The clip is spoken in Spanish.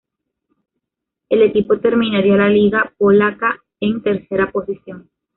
El equipo terminaría la liga polaca en tercera posición.